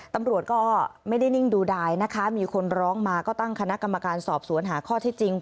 ตำรวจก็ไม่ได้นิ่งดูดายนะคะมีคนร้องมาก็ตั้งคณะกรรมการสอบสวนหาข้อที่จริง